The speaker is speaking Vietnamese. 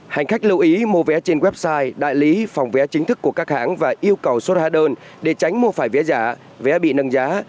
hành khách lưu ý mua vé trên website đại lý phòng vé chính thức của các hãng và yêu cầu xuất hóa đơn để tránh mua phải vé giả vé bị nâng giá